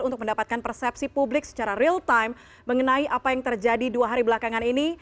untuk mendapatkan persepsi publik secara real time mengenai apa yang terjadi dua hari belakangan ini